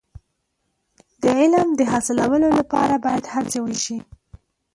د علم د حاصلولو لپاره باید هڅې وشي.